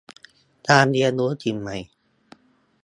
การเรียนรู้สิ่งใหม่